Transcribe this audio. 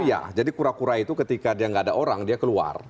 iya jadi kura kura itu ketika dia nggak ada orang dia keluar